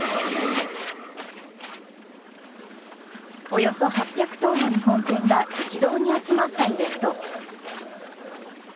およそ８００頭の日本犬が一堂に集まったイベント。